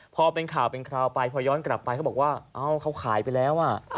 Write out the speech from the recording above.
พอเป็นข่าวเป็นคราวไปพอย้อนกลับไปเขาบอกว่าเอ้าเขาขายไปแล้ว